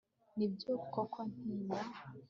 Ni byo koko ntinya